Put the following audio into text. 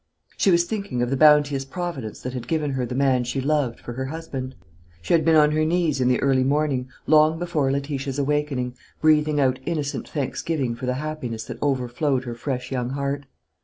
She was thinking of the bounteous Providence that had given her the man she loved for her husband. She had been on her knees in the early morning, long before Letitia's awakening, breathing out innocent thanksgiving for the happiness that overflowed her fresh young heart.